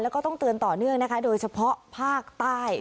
แล้วก็ต้องเตือนต่อเนื่องนะคะโดยเฉพาะภาคใต้